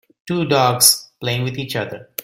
two dogs playing with each other